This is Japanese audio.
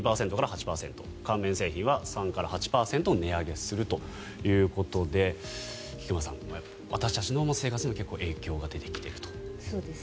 乾麺製品は３から８％値上げするということで菊間さん、私たちの生活にも影響が出てきていると。